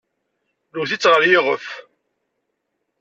Nwet-itt ɣer yiɣef.